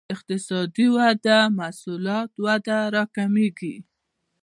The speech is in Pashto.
اقتصادي وده محصولات وده راکمېږي.